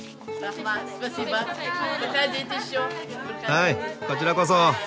はいこちらこそ。